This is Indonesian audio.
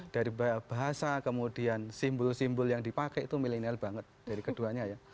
dari bahasa kemudian simbol simbol yang dipakai itu milenial banget dari keduanya ya